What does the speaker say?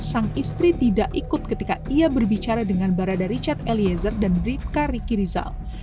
sang istri tidak ikut ketika ia berbicara dengan barada richard eliezer dan rivka rikirizal